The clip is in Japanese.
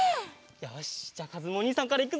よしじゃあかずむおにいさんからいくぞ！